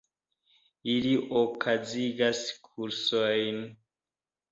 Ili okazigas kursojn.